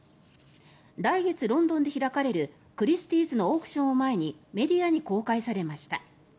来月、ロンドンで開かれるクリスティーズのオークションを前にメディアに公開されました。